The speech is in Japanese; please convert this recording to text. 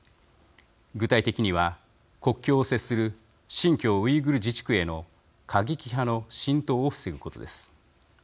具体的には国境を接する新疆ウイグル自治区への過激派の浸透を防ぐことです。